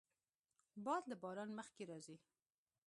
باد له باران مخکې راځي